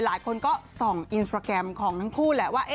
หลายคนก็ส่องอินสตราแกรมของทั้งคู่แหละว่า